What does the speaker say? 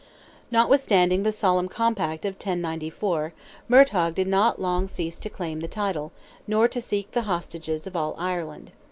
Notwithstanding the solemn compact of 1094, Murtogh did not long cease to claim the title, nor to seek the hostages of all Ireland.